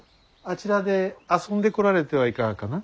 あちらで遊んでこられてはいかがかな。